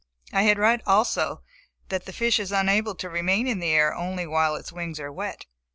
I had read, also, that the fish is unable to remain in the air only while its wings are wet.